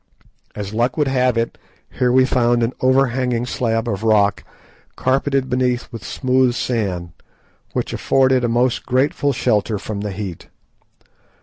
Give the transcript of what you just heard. As luck would have it, here we found an overhanging slab of rock carpeted beneath with smooth sand, which afforded a most grateful shelter from the heat.